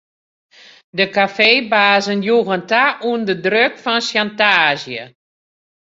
De kafeebazen joegen ta ûnder druk fan sjantaazje.